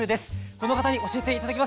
この方に教えて頂きます。